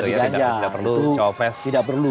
tidak perlu copes dengan suara milenial